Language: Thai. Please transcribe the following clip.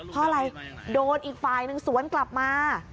เพราะอะไรโดนอีกฝ่ายหนึ่งสวนกลับมา